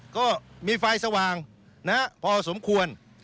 ก็มีไฟสว่างพอสมควร